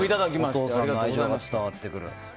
お父さんの愛情が伝わってくる。